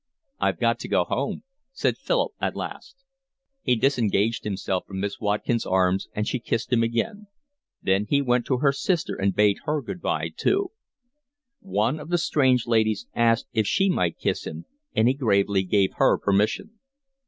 "I've got to go home," said Philip, at last. He disengaged himself from Miss Watkin's arms, and she kissed him again. Then he went to her sister and bade her good bye too. One of the strange ladies asked if she might kiss him, and he gravely gave her permission.